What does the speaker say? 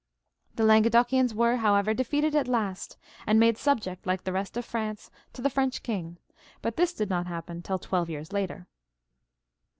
The Languedocians weref' however, defeated at last, and made subject like the rest of France to the French king ; but this did not happen tUl twelve years later.